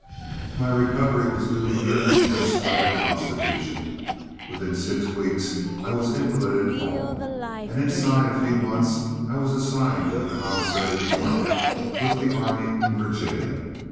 My recovery was due to youth and a splendid constitution. Within six weeks I was invalided home, and inside a few months I was assigned to the commissary department with the army in Virginia.